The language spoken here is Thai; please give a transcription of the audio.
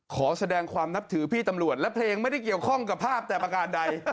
ขอแสดงความนับถือพี่ตำรวจและเพลงไม่ได้เกี่ยวข้องกับภาพแต่ประการใด